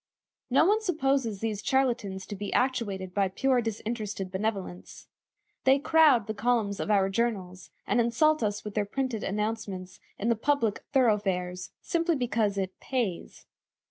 No one supposes these charlatans to be actuated by pure disinterested benevolence. They crowd the columns of our journals, and insult us with their printed announcements in the public thoroughfares, simply because "it pays."